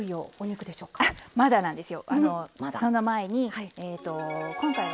そうなんですよ。